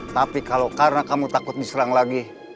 tapi kalau karena kamu takut diserang lagi